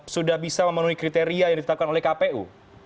sudah bisa memenuhi kriteria yang ditetapkan oleh kpu